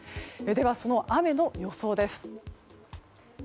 では、その雨の予想です。